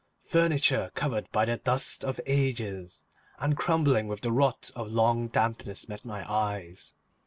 Furniture, covered by the dust of ages and crumbling with the rot of long dampness met my eyes.